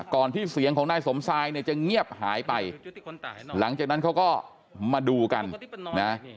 ที่เสียงของนายสมทรายเนี่ยจะเงียบหายไปหลังจากนั้นเขาก็มาดูกันนะ